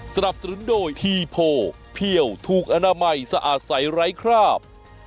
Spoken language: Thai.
สนับสนุนโดยทีโพเพี่ยวถูกอนามัยสะอาดใสไร้คราบ